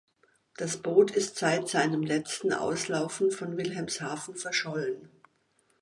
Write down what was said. Das Boot ist seit seinem letzten Auslaufen von Wilhelmshaven verschollen.